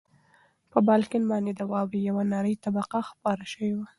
پر بالکن باندې د واورې یوه نری طبقه خپره شوې وه.